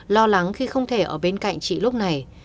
lo lắng khi không thể ở bên cạnh chị lúc này